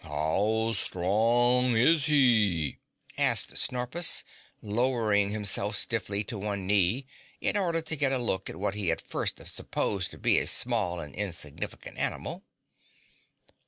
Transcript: "How strong is he?" asked Snorpus, lowering himself stiffly to one knee in order to get a look at what he had first supposed to be a small and insignificant animal.